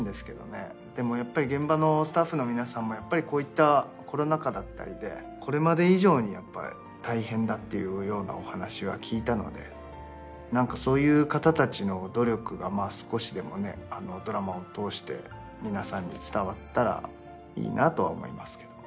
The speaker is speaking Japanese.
やっぱり現場のスタッフの皆さんもこういったコロナ禍だったりでこれまで以上に大変だっていうようなお話は聞いたのでそういう方たちの努力が少しでもドラマを通して皆さんに伝わったらいいなとは思いますけど。